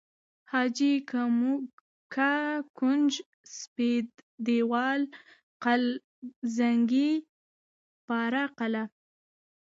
حاجي که، موکه، کونج، سپید دیوال، قل زنگي، پاره قلعه